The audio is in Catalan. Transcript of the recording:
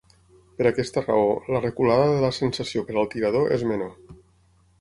Per aquesta raó, la reculada de la sensació per al tirador és menor.